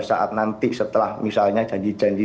saat nanti setelah misalnya janji janji